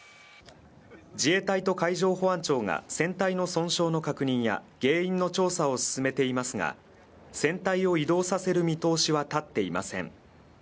自衛隊と海上保安庁が船体の損傷の確認や原因の調査を進めていますが船体を移動させる見通しは立っていません